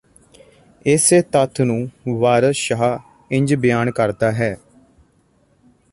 ਇਸੇ ਤੱਥ ਨੂੰ ਵਾਰਸ ਸ਼ਾਹ ਇੰਜ ਬਿਆਨ ਕਰਦਾ ਹੈ